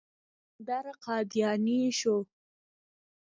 نو قلندر قادياني شو.